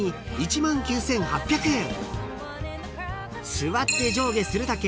［座って上下するだけ］